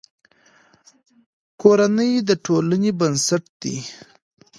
کورنۍ د ټولنې بنسټ دی.